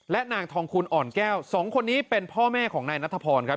และนางทองคุณอ่อนแก้วสองคนนี้เป็นพ่อแม่ของนายนัทพรครับ